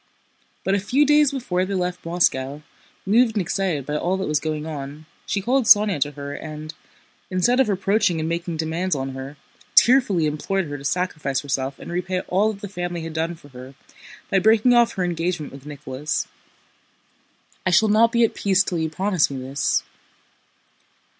But a few days before they left Moscow, moved and excited by all that was going on, she called Sónya to her and, instead of reproaching and making demands on her, tearfully implored her to sacrifice herself and repay all that the family had done for her by breaking off her engagement with Nicholas. "I shall not be at peace till you promise me this."